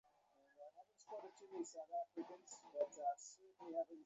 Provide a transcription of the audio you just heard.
মাছের সঙ্গে একটু সিম দিলে ভালো হয়-ভেজিটেবল একেবারেই খাওয়া হচ্ছে না।